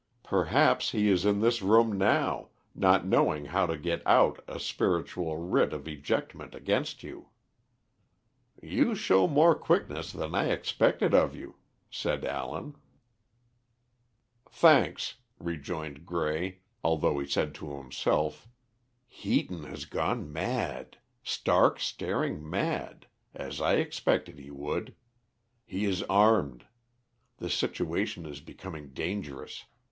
Perhaps he is in this room now, not knowing how to get out a spiritual writ of ejectment against you." "You show more quickness than I expected of you," said Allen. "Thanks," rejoined Grey, although he said to himself, "Heaton has gone mad! stark staring mad, as I expected he would. He is armed. The situation is becoming dangerous.